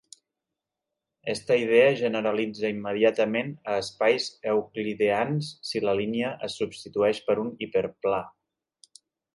Esta idea generalitza immediatament a espais euclideans si la línia es substitueix per un hiperplà.